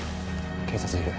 警察いる。